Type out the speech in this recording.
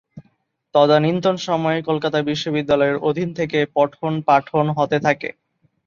তদানীন্তন সময়ে কলকাতা বিশ্ববিদ্যালয়ের অধীন থেকে পঠন পাঠন হতে থাকে।